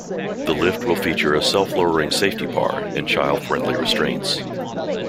The lift will feature a self lowering safety bar and child friendly restraints.